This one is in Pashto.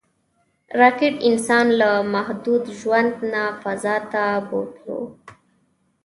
راکټ انسان له محدود ژوند نه فضا ته بوتلو